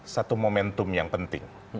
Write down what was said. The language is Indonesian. satu momentum yang penting